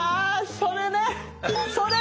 それね！